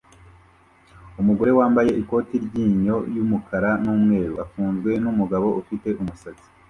Umugore wambaye ikoti ryinyo yumukara numweru afunzwe numugabo ufite umusatsi